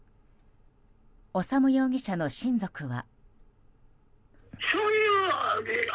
修容疑者の親族は。